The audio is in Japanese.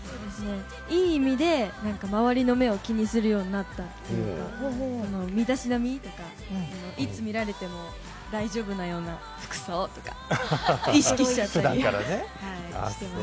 いい意味で周りの目を気にするようになったというか、身だしなみとか、いつ見られても大丈夫なような服装とか意識しちゃったりしてます。